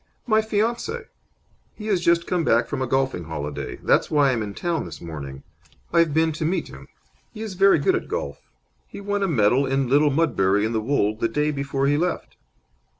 "My fiance. He has just come back from a golfing holiday. That's why I'm in town this morning. I've been to meet him. He is very good at golf. He won a medal at Little Mudbury in the Wold the day before he left."